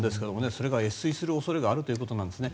それが越水する恐れがあるということですね。